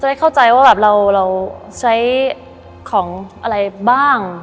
ได้เข้าใจว่าแบบเราใช้ของอะไรบ้าง